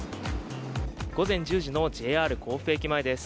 午前１０時のＪＲ甲府駅前です。